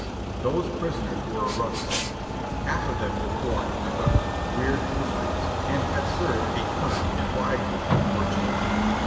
Those prisoners were a rough set ; half of them were born in the gutter, reared in the streets, and had served a term in Bride well or jail.